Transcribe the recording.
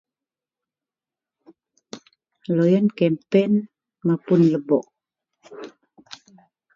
deloyien kempen mapun lebok